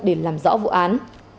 để làm rõ vụ án